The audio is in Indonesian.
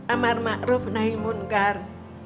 amar makruf nahi munkar